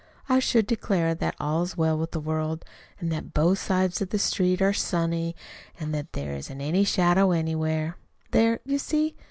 I should declare that all's well with the world, and that both sides of the street are sunny, and that there isn't any shadow anywhere. There, you see!